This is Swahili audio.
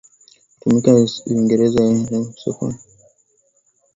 kutumika uingereza na chama cha soka cha ulaya pia kimepiga marufuku